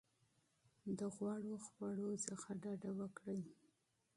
د غوړو خوړو څخه ډډه وکړئ.